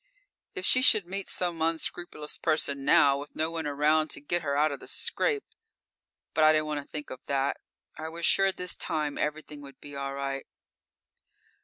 If she should meet some unscrupulous person now, with no one around to get her out of the scrape but I didn't want to think of that. I was sure this time everything would be all right.